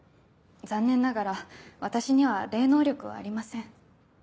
残念ながら私には霊能力はありません。